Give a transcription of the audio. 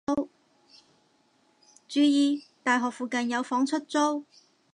注意！大學附近有房出租